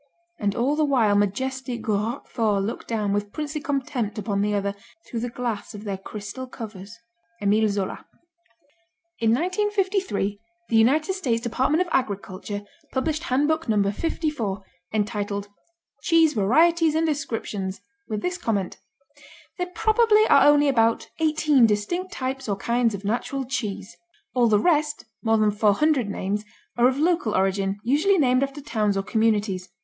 And all the while majestic Roqueforts looked down with princely contempt upon the other, through the glass of their crystal covers. Emile Zola In 1953 the United States Department of Agriculture published Handbook No. 54, entitled Cheese Varieties and Descriptions, with this comment: "There probably are only about eighteen distinct types or kinds of natural cheese." All the rest (more than 400 names) are of local origin, usually named after towns or communities.